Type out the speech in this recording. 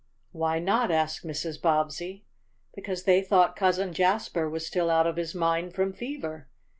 "Why not?" asked Mrs. Bobbsey. "Because they thought Cousin Jasper was still out of his mind from fever.